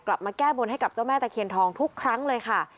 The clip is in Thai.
มาแก้บนให้กับเจ้าแม่ตะเคียนทองทุกครั้งเลยค่ะ